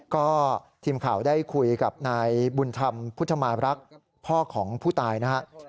ก็ทีมข่าวได้คุยกับนายบุญธรรมพุทธมารักษ์พ่อของผู้ตายนะครับ